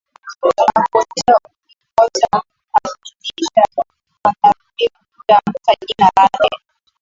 unapotokea umekosea hakikisha unarudia kutamka jina lake